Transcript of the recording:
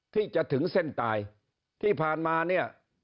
ที่จะถึงเส้นตายที่ผ่านมาเนี่ย